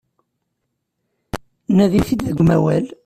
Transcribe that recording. Nadi-t-id deg umawal.